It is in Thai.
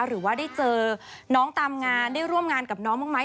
หรือว่าได้เจอน้องตามงานได้ร่วมงานกับน้องบ้างไหม